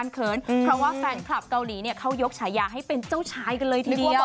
เพราะว่าแฟนคลับเกาหลีเนี่ยเขายกฉายาให้เป็นเจ้าชายกันเลยทีเดียว